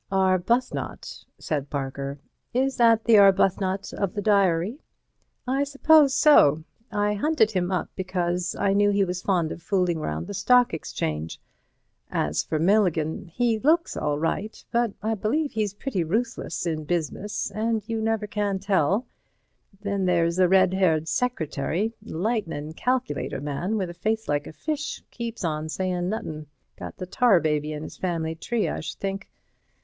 "Arbuthnot?" said Parker, "is that the Arbuthnot of the diary?" "I suppose so. I hunted him up because I knew he was fond of fooling round the Stock Exchange. As for Milligan, he looks all right, but I believe he's pretty ruthless in business and you never can tell. Then there's the red haired secretary—lightnin' calculator man with a face like a fish, keeps on sayin' nuthin'—got the Tar baby in his family tree, I should think.